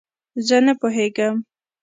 زۀ نۀ پوهېږم.